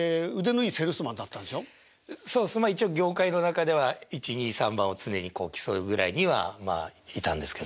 一応業界の中では１２３番を常に競うぐらいにはまあいたんですけど。